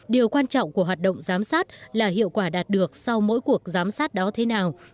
điều quan trọng của hoạt động giám sát là hiệu quả đạt được sau mỗi cuộc giám sát đó thế nào